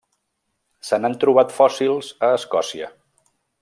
Se n'han trobat fòssils a Escòcia.